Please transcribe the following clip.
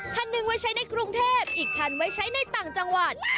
คันหนึ่งไว้ใช้ในกรุงเทพอีกคันไว้ใช้ในต่างจังหวัด